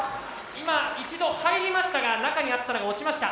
今一度入りましたが中にあったのが落ちました。